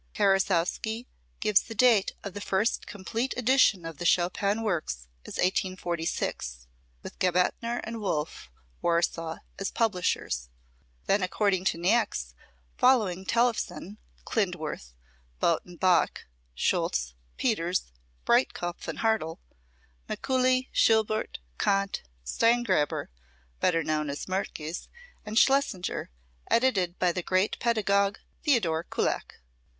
Karasowski gives the date of the first complete edition of the Chopin works as 1846, with Gebethner & Wolff, Warsaw, as publishers. Then, according to Niecks, followed Tellefsen, Klindworth Bote & Bock Scholtz Peters Breitkopf & Hartel, Mikuli, Schuberth, Kahnt, Steingraber better known as Mertke's and Schlesinger, edited by the great pedagogue Theodor Kullak.